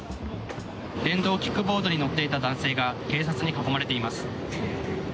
電動キックボードに乗っていた男性が警察に囲まれています。